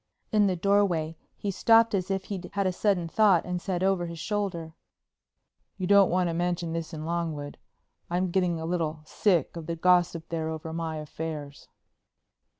In the doorway he stopped as if he'd had a sudden thought, and said over his shoulder: "You don't want to mention this in Longwood. I'm getting a little sick of the gossip there over my affairs."